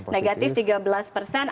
negatif tiga belas persen